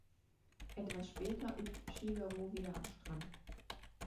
Etwas später übt Shigeru wieder am Strand.